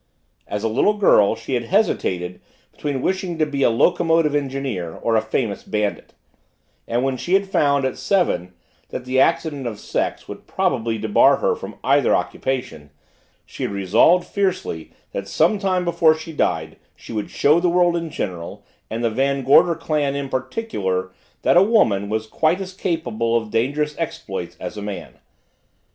As a little girl she had hesitated between wishing to be a locomotive engineer or a famous bandit and when she had found, at seven, that the accident of sex would probably debar her from either occupation, she had resolved fiercely that some time before she died she would show the world in general and the Van Gorder clan in particular that a woman was quite as capable of dangerous exploits as a man.